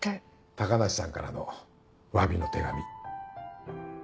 高梨さんからの詫びの手紙。